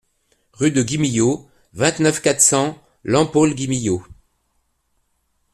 Rue de Guimiliau, vingt-neuf, quatre cents Lampaul-Guimiliau